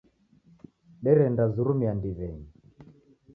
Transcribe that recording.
Derendazurumia ndiw'enyi.